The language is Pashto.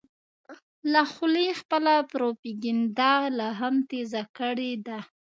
له خولې خپله پروپیګنډه لا هم تېزه کړې ده.